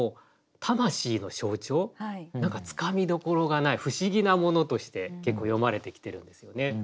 何かつかみどころがない不思議なものとして結構詠まれてきてるんですよね。